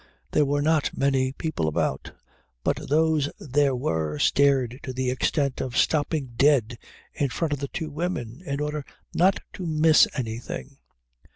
There were not many people about, but those there were stared to the extent of stopping dead in front of the two women in order not to miss anything.